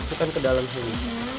kita ke dalam sini